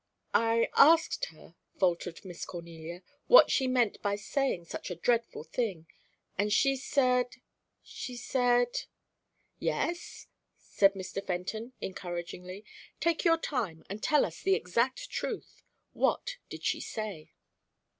"I asked her," faltered Miss Cornelia, "what she meant by saying such a dreadful thing. And she said she said" "Yes," said Mr. Fenton, encouragingly. "Take your time and tell us the exact truth. What did she say?"